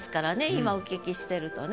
今お聞きしてるとね。